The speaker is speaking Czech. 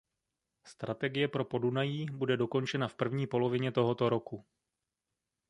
Strategie pro Podunají bude dokončena v první polovině tohoto roku.